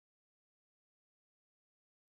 مالټه د خوند او ګټې ترکیب دی.